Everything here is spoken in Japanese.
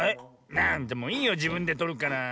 なんだもういいよじぶんでとるから。